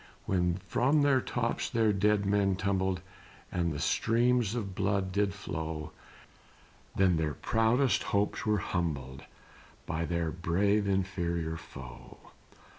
When from their tops their dead men tumbled, And the streams of blood did flow, Then their proudest hopes were humbled By their brave inferior foe.